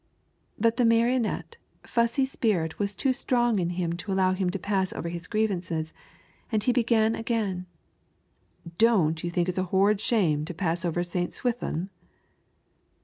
But the martinet, fuaay apuit was too strong in bim to allow him to paaa over his grievances, and he began "Don't you think it a horrid shame to pass ( St. Swithun?"